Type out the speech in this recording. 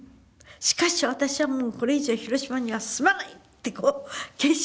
しかし私はこれ以上広島には住まない！」って決心して。